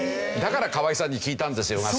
だから河合さんに聞いたんですよ